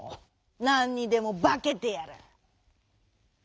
なんにでもばけてやらあ！」。